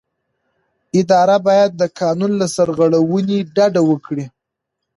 اداره باید د قانون له سرغړونې ډډه وکړي.